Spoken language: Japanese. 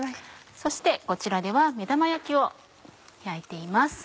そしてこちらでは目玉焼きを焼いています。